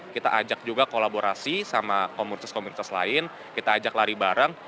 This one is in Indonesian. kita ajak juga kolaborasi sama komunitas komunitas lain kita ajak lari bareng